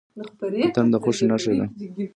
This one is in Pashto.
اتن د خوښۍ نښه ده.